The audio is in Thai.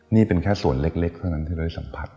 นี่เป็นแค่ส่วนเล็กเท่านั้นที่เราได้สัมผัส